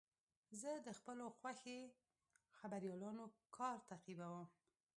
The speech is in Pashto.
زه د خپلو خوښې خبریالانو کار تعقیبوم.